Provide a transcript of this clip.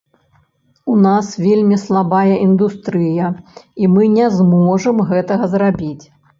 У нас вельмі слабая індустрыя, і мы не зможам гэтага зрабіць.